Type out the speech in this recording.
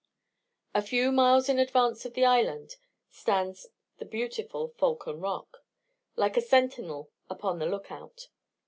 A few miles in advance of the island stands the beautiful Falcon Rock, like a sentinel upon the look out.